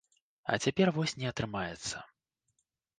А цяпер вось не атрымаецца.